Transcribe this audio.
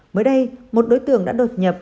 mới đây một đối tượng đã đột nhập